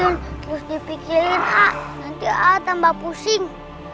aku semakin bingung